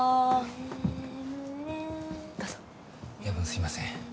夜分すいません。